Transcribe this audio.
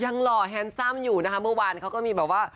หล่อแฮนซัมอยู่นะคะเมื่อวานเขาก็มีแบบว่า